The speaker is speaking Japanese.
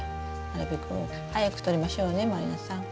なるべく早くとりましょうね満里奈さん。